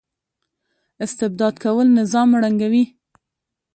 استبداد کول نظام ړنګوي